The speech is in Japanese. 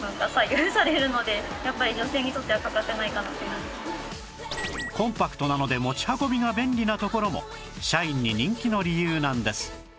ここにコンパクトなので持ち運びが便利なところも社員に人気の理由なんです